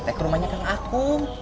teg rumahnya kang akung